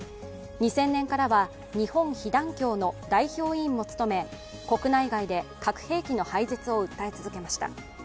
２０００年からは日本被団協の代表委員も務め国内外で核兵器の廃絶を訴え続けました。